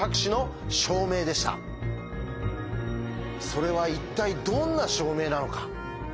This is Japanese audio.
それは一体どんな証明なのか？